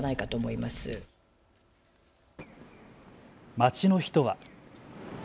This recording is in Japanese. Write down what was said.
街の人は。